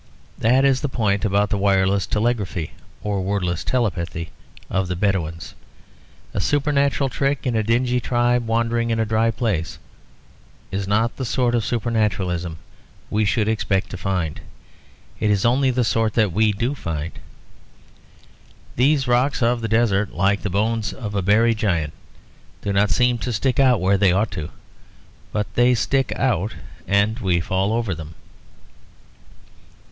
That is the point about the wireless telegraphy or wordless telepathy of the Bedouins. A supernatural trick in a dingy tribe wandering in dry places is not the sort of supernaturalism we should expect to find; it is only the sort that we do find. These rocks of the desert, like the bones of a buried giant, do not seem to stick out where they ought to, but they stick out, and we fall over them.